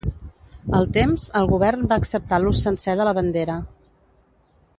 Al temps, el govern va acceptar l'ús sencer de la bandera.